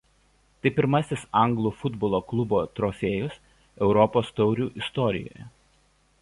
Tai pirmasis anglų futbolo klubo trofėjus Europos taurių istorijoje.